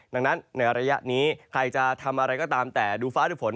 ดังนั้นในระยะนี้ใครจะทำอะไรก็ตามแต่ดูฟ้าดูฝน